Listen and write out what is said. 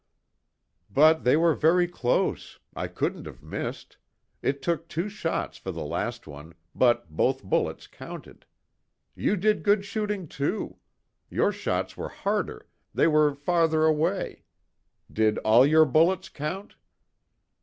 "But, they were very close. I couldn't have missed. It took two shots for the last one, but both bullets counted. You did good shooting, too. Your shots were harder they were farther away. Did all your bullets count?"